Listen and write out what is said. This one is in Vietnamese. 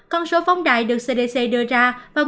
con số phóng đài được cdc đưa ra